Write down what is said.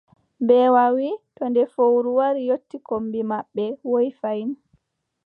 Mbeewa wii: to nde fowru wari yotti kombi maɓɓe, woyi fayin.